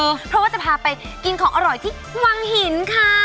เพราะว่าจะพาไปกินของอร่อยที่วังหินค่ะ